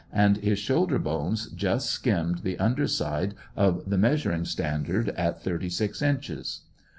and his shoulder bones just skimmed the under side of the measuring standard at thirty six inches.